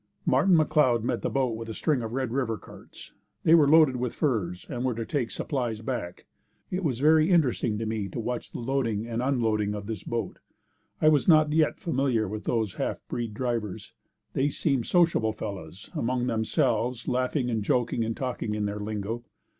Martin McLeod met the boat with a string of Red River carts. They were loaded with furs and were to take supplies back. It was very interesting to me to watch the loading and unloading of this boat. I was not yet familiar with those half breed drivers. They seemed sociable fellows, among themselves, laughing, joking and talking in their lingo.